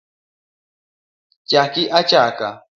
Chaki achaka